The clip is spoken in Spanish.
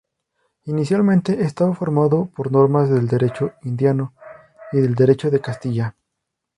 Inicialmente estaba formado por normas del Derecho Indiano y del Derecho de Castilla.